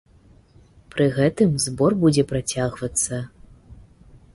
Пры гэтым збор будзе працягвацца.